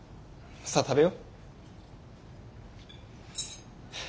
さあ食べよ。